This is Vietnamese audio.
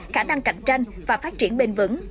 khả năng cạnh tranh và phát triển bền vững